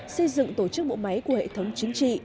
xây dựng tổ chức bộ máy của hệ thống chính trị